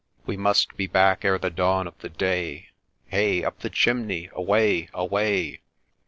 We must be back ere the dawn of the day : Hey up the chimney ! away I away